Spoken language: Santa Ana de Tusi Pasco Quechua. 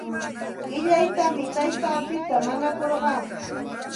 Qillaytam taytapita mañakurqaa.